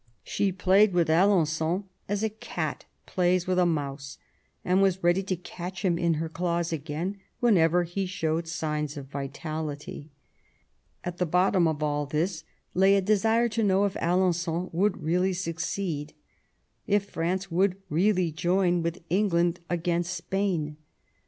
She played with Alen9on as a cat plays with a mouse, and was ready to catch him in her claws again whenever he showed signs of vitality. At the bottom of all this lay a desire to know if Alen9on would really succeed, if France would really join with England against Spain.